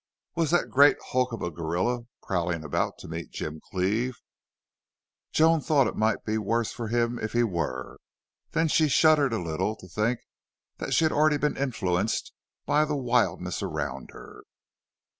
Was that great hulk of a gorilla prowling about to meet Jim Cleve? Joan thought that it might be the worse for him if he were. Then she shuddered a little to think that she had already been influenced by the wildness around her.